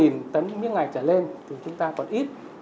mấy ngày trở lên thì chúng ta còn ít